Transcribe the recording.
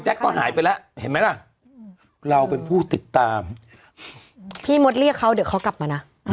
ก็หายไปแล้วเห็นไหมล่ะเราเป็นผู้ติดตามพี่มดเรียกเขาเดี๋ยวเขากลับมานะ